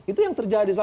itu yang terjadi